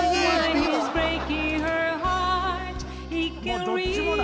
もうどっちもだ。